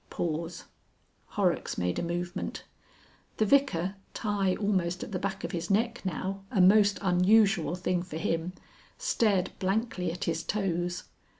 Pause. Horrocks made a movement. The Vicar, tie almost at the back of his neck now, a most unusual thing for him, stared blankly at his toes.